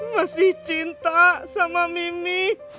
masih cinta sama mimi